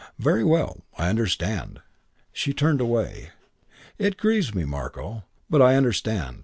"Very well. I understand." She turned away. "It grieves me, Marko. But I understand.